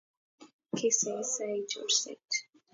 Kisasei chorset